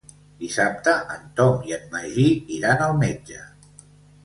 Dissabte en Tom i en Magí iran al metge.